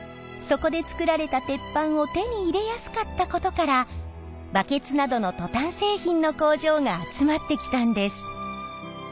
そこで作られた鉄板を手に入れやすかったことからバケツなどのトタン製品の工場が集まってきたんです。